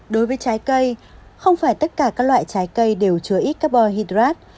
đối với trái cây không phải tất cả các loại trái cây đều chứa ít carbon hydrate